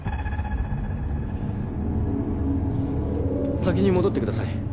先に戻ってください。